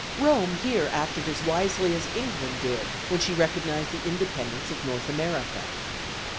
Rome here acted as wisely as England did when she recognized the independence of North America.